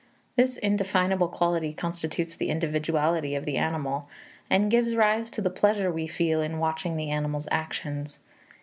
This indefinable quality constitutes the individuality of the animal, and gives rise to the pleasure we feel in watching the animal's actions.